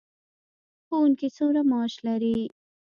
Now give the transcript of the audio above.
ښوونکي څومره معاش لري؟